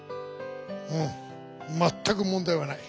うんまったく問題はない。